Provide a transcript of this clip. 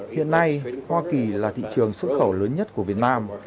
hiện nay hoa kỳ là thị trường xuất khẩu lớn nhất của việt nam